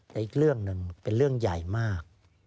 แต่อีกเรื่องหนึ่งเป็นเรื่องใหญ่มาก